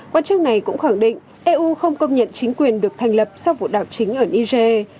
quan chức này cũng khẳng định eu không công nhận chính quyền được thành lập sau vụ đảo chính ở niger